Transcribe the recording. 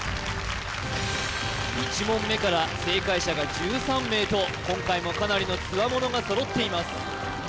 １問目から正解者が１３名と今回もかなりのつわものが揃っています